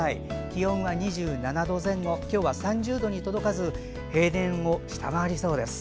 気温が２７度前後今日は３０度に届かず平年を下回りそうです。